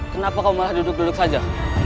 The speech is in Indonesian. kenapa kau malah duduk duduk saja